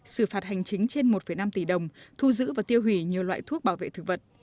xử phạt hành chính trên một năm tỷ đồng thu giữ và tiêu hủy nhiều loại thuốc bảo vệ thực vật